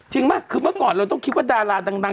ป่ะคือเมื่อก่อนเราต้องคิดว่าดาราดัง